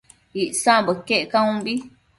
Icsambo iquec caunbi